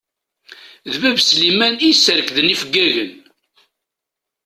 D bab Sliman i yesserkden ifeggagen.